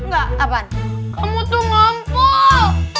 kamu tuh ngampuh